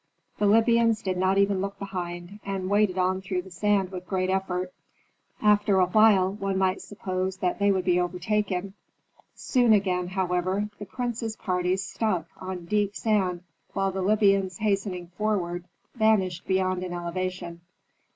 The Libyans did not even look behind, and waded on through the sand with great effort. After a while one might suppose that they would be overtaken. Soon again, however, the prince's party struck on deep sand while the Libyans hastening forward vanished beyond an elevation.